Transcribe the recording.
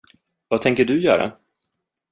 Vad tänker du göra?